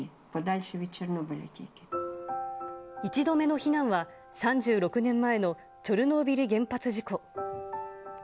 １度目の避難は、３６年前のチョルノービリ原発事故。